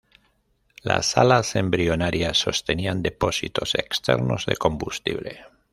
Las alas embrionarias sostenían depósitos externos de combustible.